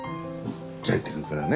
じゃあ行ってくるからね。